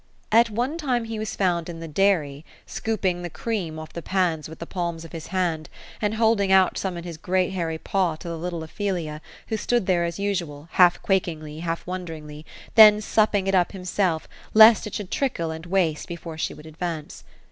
At one time he was found in the dairy, scooping the cream off the pans with the palms of his hands; holding some out in his great hairy paw to the little Ophelia, who stood there as usual, half quakingly, half won deringly,— then supping it up himself, lest it should trickle and waste before she would advance.